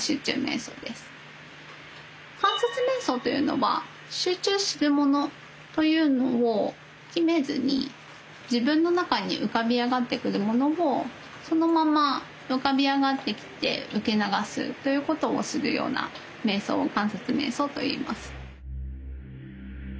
観察瞑想というのは集中するものというのを決めずに自分の中に浮かび上がってくるものをそのまま浮かび上がってきて受け流すということをするような瞑想を観察瞑想といいます。